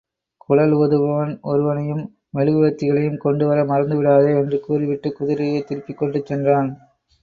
குழல் ஊதுபவன் ஒருவனையும், மெழுகுவர்த்திகளையும் கொண்டுவர மறந்து விடாதே! என்று கூறிவிட்டு, குதிரையைத் திருப்பிக் கொண்டு சென்றான்.